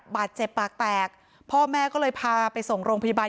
ปากแตกพ่อแม่ก็เลยพาไปส่งโรงพยาบาล